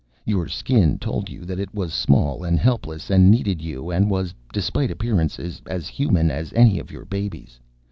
Your Skin told you that it was small and helpless and needed you and was, despite appearances, as Human as any of your babies.